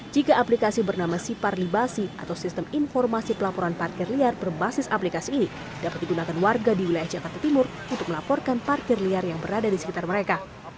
jika aplikasi bernama sipar libasi atau sistem informasi pelaporan parkir liar berbasis aplikasi ini dapat digunakan warga di wilayah jakarta timur untuk melaporkan parkir liar yang berada di sekitar mereka